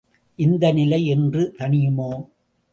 இந்த நிலை என்று தணியுமோ!